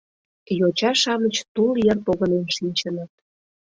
Йоча-шамыч тул йыр погынен шинчыныт.